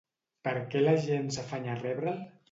Per què la gent s'afanya a rebre'l?